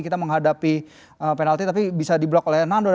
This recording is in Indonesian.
kita menghadapi penalti tapi bisa di blok oleh nandor